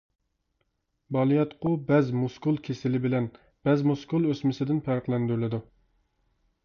بالىياتقۇ بەز مۇسكۇل كېسىلى بىلەن بەز مۇسكۇل ئۆسمىسىدىن پەرقلەندۈرۈلىدۇ.